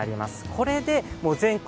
これで全国